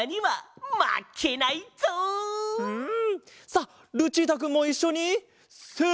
さあルチータくんもいっしょにせの。